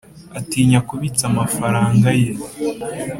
Atinya kubitsa amafaranga ye